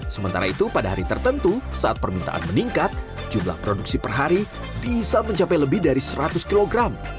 sementara itu pada hari tertentu saat permintaan meningkat jumlah produksi per hari bisa mencapai lebih dari seratus kg